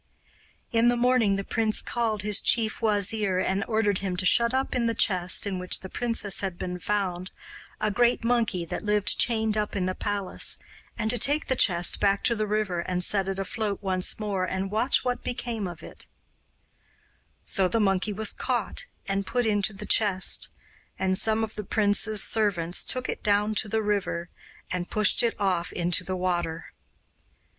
In the morning the prince called his chief wazir and ordered him to shut up in the chest in which the princess had been found a great monkey that lived chained up in the palace, and to take the chest back to the river and set it afloat once more and watch what became of it. So the monkey was caught and put into the chest, and some of the prince's servants took it down to the river and pushed it off into the water.